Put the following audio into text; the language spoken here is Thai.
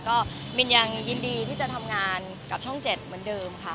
ก็มินยังยินดีที่จะทำงานกับช่อง๗เหมือนเดิมค่ะ